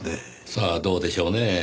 さあどうでしょうねぇ。